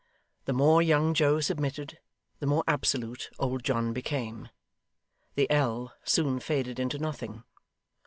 The more young Joe submitted, the more absolute old John became. The ell soon faded into nothing.